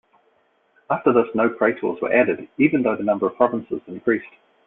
After this no new praetors were added even though the number of provinces increased.